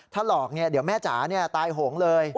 ถ้าหลอกเดี๋ยวแม่จ๋าตายโหงเลย